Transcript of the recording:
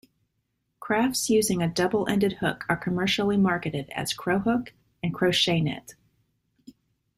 Crafts using a double-ended hook are commercially marketed as Cro-hook and Crochenit.